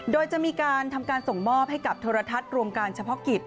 โดยจะมีการทำการส่งมอบให้กับโทรทัศน์รวมการเฉพาะกิจ